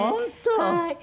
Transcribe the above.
はい。